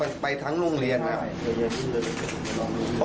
มันไปทั้งโรงเรียนนะครับ